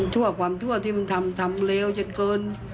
ความชั่วที่มันทำทำเลวจนเกิน